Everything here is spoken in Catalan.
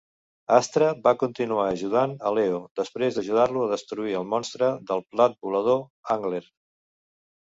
Astra va continuar ajudant a Leo després d'ajudar-lo a destruir el monstre del plat volador, Hangler.